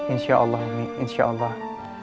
insya allah ini insya allah